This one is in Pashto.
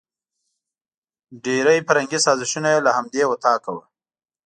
ډېري فرهنګي سازشونه یې له همدې وطاقه وو.